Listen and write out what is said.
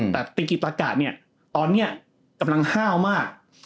แต่ติกิตะกะตอนนี้กำลังห้าวมาก